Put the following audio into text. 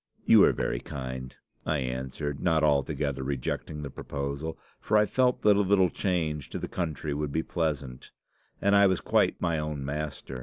"'You are very kind,' I answered, not altogether rejecting the proposal, for I felt that a little change to the country would be pleasant, and I was quite my own master.